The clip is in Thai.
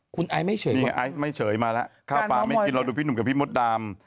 คุณไอซ์ไม่เฉยมีไอซ์ไม่เฉยมาแล้วข้าวปลาไม่กินเราดูพี่หนุ่มกับพี่มดดำ